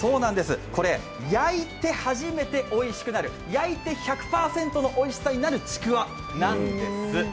これ、焼いて初めておいしくなる、焼いて１００％のおいしさになるちくわなんです。